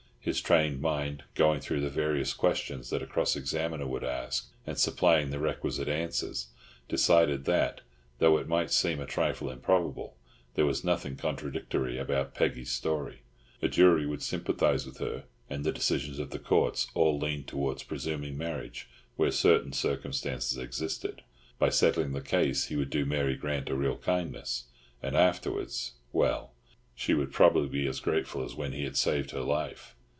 His trained mind, going through the various questions that a cross examiner would ask, and supplying the requisite answers, decided that, though it might seem a trifle improbable, there was nothing contradictory about Peggy's story. A jury would sympathise with her, and the decisions of the Courts all leaned towards presuming marriage where certain circumstances existed. By settling the case he would do Mary Grant a real kindness. And afterwards—well, she would probably be as grateful as when he had saved her life.